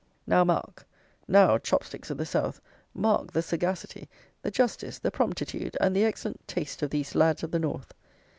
Now, mark; now, chopsticks of the South, mark the sagacity, the justice, the promptitude, and the excellent taste of these lads of the North!